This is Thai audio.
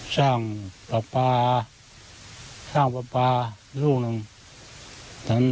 สร้างปลาสร้างปลาลูกหนึ่ง